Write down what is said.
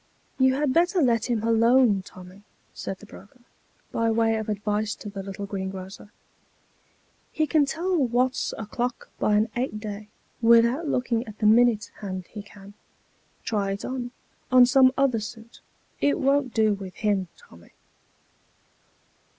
" You had better let him alone, Tommy," said the broker, by way of advice to the little greengrocer, " ho can tell what's o'clock by an eight day, without looking at the minute hand, he can. Try it on, on some other suit ; it won't do with him, Tommy."